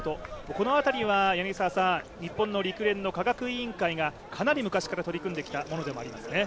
この辺りは日本の陸連の科学委員会がかなり昔から取り組んできたものでもありますね。